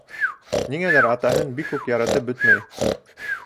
Ниңәлер атаһын бик үк яратып бөтмәй.